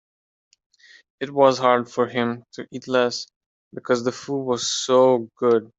It was hard for him to eat less because the food was so good.